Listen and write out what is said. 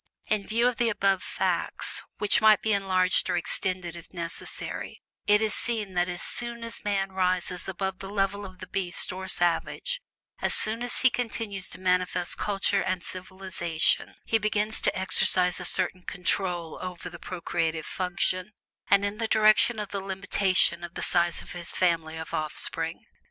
In view of the above facts, which might be enlarged and extended if necessary, it is seen that as soon as man rises above the level of the beast or savage as soon as he begins to manifest culture and civilization he begins to exercise a certain "control" over the procreative FUNCTION, and in the direction of the limitation of the size of his family of offspring.